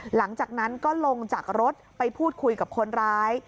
หลังจากนั้นก็ลงจากรถไปพูดคุยกับคนร้าย